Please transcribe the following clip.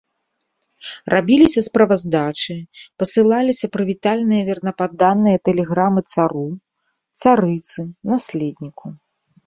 Рабіліся справаздачы, пасылаліся прывітальныя вернападданыя тэлеграмы цару, царыцы, наследніку.